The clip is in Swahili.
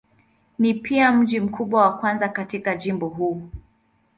Ni pia mji mkubwa wa kwanza katika jimbo huu.